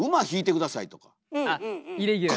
あっイレギュラーな。